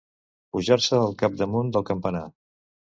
Pujar-se'n al capdamunt del campanar.